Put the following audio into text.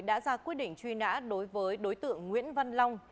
đã ra quyết định truy nã đối với đối tượng nguyễn văn long